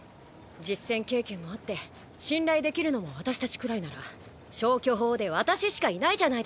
実戦経験もあって信頼できるのも私たちくらいなら消去法で私しかいないじゃないですか。